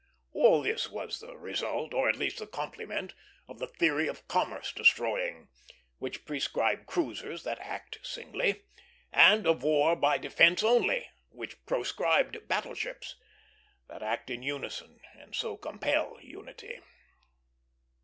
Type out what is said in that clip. All this was the result, or at least the complement, of the theory of commerce destroying, which prescribed cruisers that act singly; and of war by defence only, which proscribed battle ships, that act in unison and so compel unity.